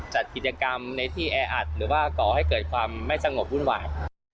จัดกิจกรรมในที่แออัดหรือว่าก่อให้เกิดความไม่สงบวุ่นวาย